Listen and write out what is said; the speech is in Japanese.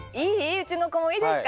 うちの子もいいですか？